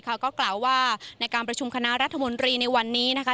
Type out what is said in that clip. ก็กล่าวว่าในการประชุมคณะรัฐมนตรีในวันนี้นะคะ